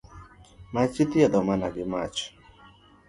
Mach ithiedho mana gi mach.